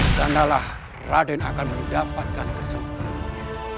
sanalah raden akan mendapatkan kesempatan